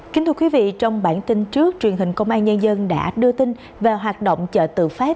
kính thưa quý vị trong bản tin trước truyền hình công an nhân dân đã đưa tin về hoạt động chợ tự phát